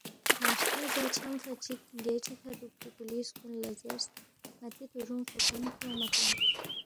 ناشتونگ زا چھمفا چِک گیٹی کھہ دُوکپی پولِیس کُن لہ زیرس، ن٘تی تُرُونگ فُوکھن کھیونگما تونگ